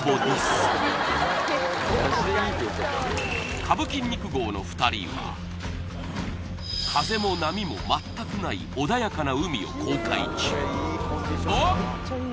歌舞筋肉号の２人は風も波も全くない穏やかな海を航海中と！